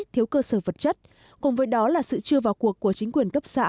thiếu cơ sở vật chất cùng với đó là sự chưa vào cuộc của chính quyền cấp xã